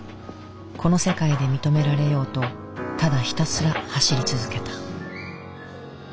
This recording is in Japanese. この世界で認められようとただひたすら走り続けた。